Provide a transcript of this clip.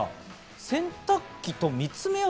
洗濯機と見つめ合う。